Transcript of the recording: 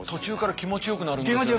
気持ちよくなるんです。